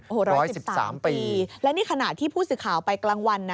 โอ้โฮร้อยสิบสามปีและนี่ขนาดที่ผู้สื่อข่าวไปกลางวัน